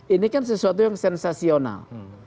ini kan sesuatu yang sensasional